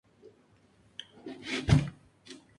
En España se extiende por el este, el sur y las islas Baleares.